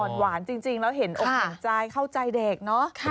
หวานจริงแล้วเห็นอกเห็นใจเข้าใจเด็กเนอะ